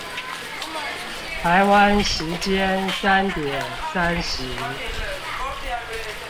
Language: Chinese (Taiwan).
台灣時間三點三十